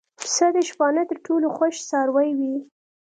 پسه د شپانه تر ټولو خوښ څاروی وي.